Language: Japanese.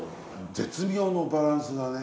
絶妙のバランスだね。